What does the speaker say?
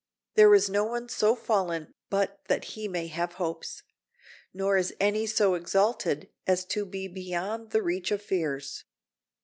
There is no one so fallen but that he may have hopes; nor is any so exalted as to be beyond the reach of fears.